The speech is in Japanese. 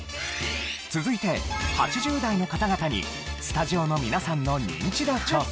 続いて８０代の方々にスタジオの皆さんのニンチド調査。